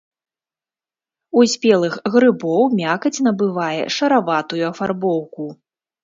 У спелых грыбоў мякаць набывае шараватую афарбоўку.